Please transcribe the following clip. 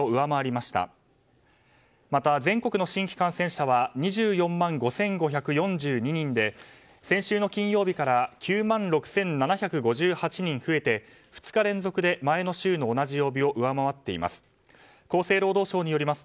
また、全国の新規感染者は２４万５５４２人で先週の金曜日から９万６７５８人増えて２日連続で前の週の同じ曜日を上回っています。